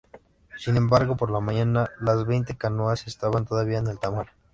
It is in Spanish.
Sin embargo, por la mañana las veinte canoas estaban todavía en alta mar.